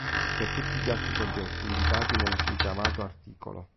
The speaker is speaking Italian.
Per tutti gli altri soggetti indicati nel richiamato art.